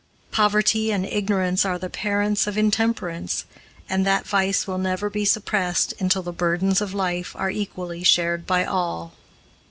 Poverty and ignorance are the parents of intemperance, and that vice will never be suppressed until the burdens of life are equally shared by all.